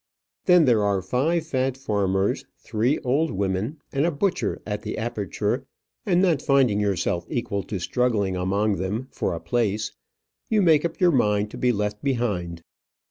Then there are five fat farmers, three old women, and a butcher at the aperture, and not finding yourself equal to struggling among them for a place, you make up your mind to be left behind.